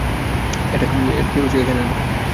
এটাকে এখানে আনো।